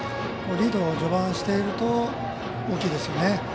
リード、序盤にしていると大きいですよね。